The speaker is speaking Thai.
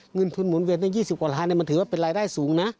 เงินทุนหมุนเวียนใน๒๐กว่าล้านมันถือว่าเป็นรายได้สูงนะ